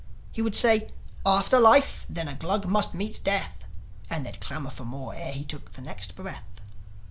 He would say "After life, then a Glug must meet death!" And they'd clamour for more ere he took the next breath.